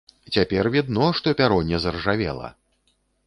Цяпер відно, што пяро не заржавела!